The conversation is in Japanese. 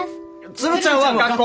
鶴ちゃんは学校！